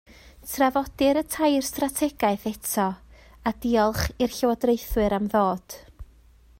Trafodir y tair strategaeth eto, a diolch i'r llywodraethwyr am ddod